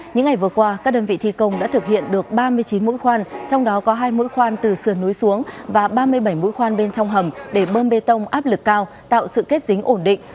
những ngày vừa qua các đơn vị thi công đã thực hiện được ba mươi chín mũi khoan trong đó có hai mũi khoan từ sườn núi xuống và ba mươi bảy mũi khoan bên trong hầm để bơm bê tông áp lực cao tạo sự kết dính ổn định